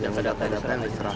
yang tidak terhadapnya menyerahkan